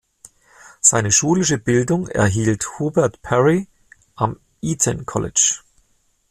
Seine schulische Bildung erhielt Hubert Parry am Eton College.